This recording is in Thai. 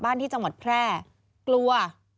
บ้านที่จังหวัดแพร่กลัว